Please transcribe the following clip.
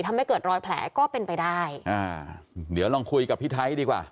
ทำให้เกิดรอยแผลก็เป็นไปได้อ่าเดี๋ยวลองคุยกับพี่ไทยดีกว่า